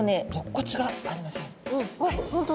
あっ本当だ。